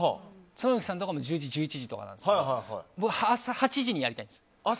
妻夫木さんとかも１０時、１１時とかなんですが僕は朝８時にやりたいんです。